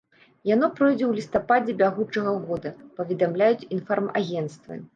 Яно пройдзе ў лістападзе бягучага года, паведамляюць інфармагенцтвы.